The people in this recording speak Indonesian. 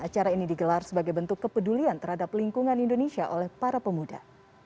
acara ini digelar sebagai bentuk kepedulian terhadap lingkungan indonesia oleh para pemuda